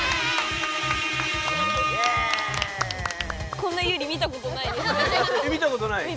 こんなユウリ見たことないです。